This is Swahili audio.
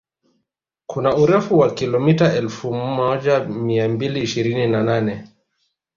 Kuna urefu wa kilomita elfu moja mia mbili ishirini na nane